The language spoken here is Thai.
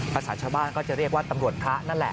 ภาษาชาวบ้านก็จะเรียกว่าตำรวจพระนั่นแหละ